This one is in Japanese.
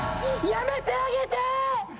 やめてあげて！！